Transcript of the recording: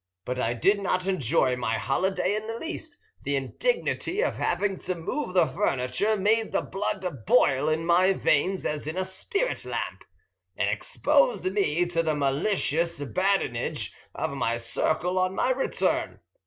But I did not enjoy my holiday in the least; the indignity of having to move the furniture made the blood boil in my veins as in a spirit lamp, and exposed me to the malicious badinage of my circle on my return.